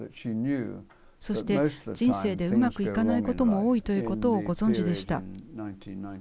人生でうまくいかないことも多いということをご存じでした。